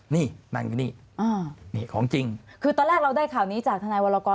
นี่นั่งอยู่นี่นี่ของจริงคือตอนแรกเราได้ข่าวนี้จากทนายวรกร